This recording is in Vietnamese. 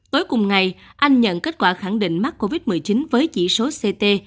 tối cùng ngày anh nhận kết quả khẳng định mắc covid một mươi chín với chỉ số ct